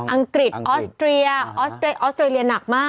อังกฤษออสเตรียออสเตรออสเตรเลียหนักมาก